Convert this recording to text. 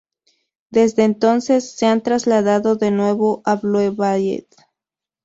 Desde entonces, se han trasladado de nuevo a Blue Valley.